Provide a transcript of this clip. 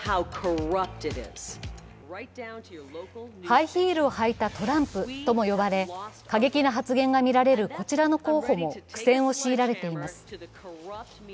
ハイヒールを履いたトランプとも呼ばれ過激な発言がみられるこちらの候補も苦戦を強いられています。